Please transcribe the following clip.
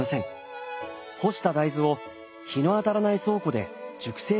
干した大豆を日の当たらない倉庫で熟成させるのです。